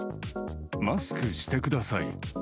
マスクしてください。